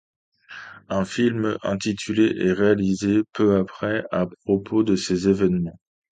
Un film intitulé est réalisé peu après à propos de ces événements.